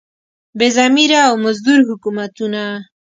بې ضمیره او مزدور حکومتونه.